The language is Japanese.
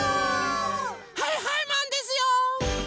はいはいマンですよー！